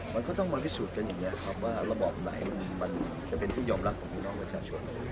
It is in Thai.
มันก็ต้องมาพิสูจน์กันอย่างนี้ครับว่าระบอบไหนมันจะเป็นที่ยอมรับของพี่น้องประชาชน